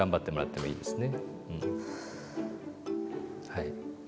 はい。